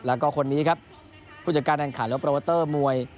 แล้วก็คนนี้ครับผู้จัดการด้านขายก็ประวัตเตอร์มวย